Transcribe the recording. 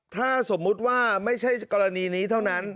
ถ้าสมมุติว่าไม่ใช่กรณีนี้เท่านั้น